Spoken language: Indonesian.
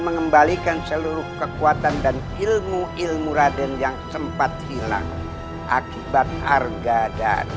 mengembalikan seluruh kekuatan dan ilmu ilmu raden yang sempat hilang akibat harga dan